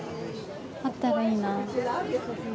あったらいいな。